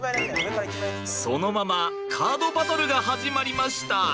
そのままカードバトルが始まりました。